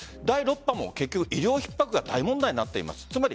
第６波も結局、医療ひっ迫が大問題になっています。